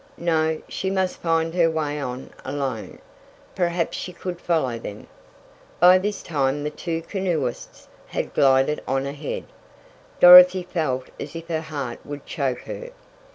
No, she must find her way on alone. Perhaps she could follow them. By this time the two canoeists had glided on ahead. Dorothy felt as if her heart would choke her!